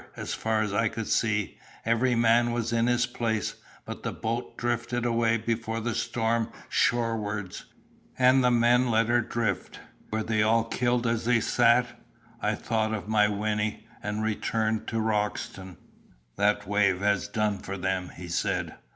As far as I could see, every man was in his place; but the boat drifted away before the storm shore wards, and the men let her drift. Were they all killed as they sat? I thought of my Wynnie, and turned to Roxton. "That wave has done for them," he said.